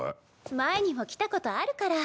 前にも来たことあるから。